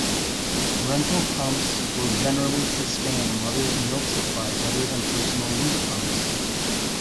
Rental pumps will generally sustain a mothers milk supply better than personal use pumps.